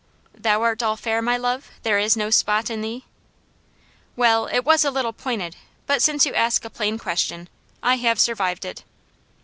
"'Thou art all fair, my love. There is no spot in thee.' Well, it was a little pointed, but since you ask a plain question, I have survived it."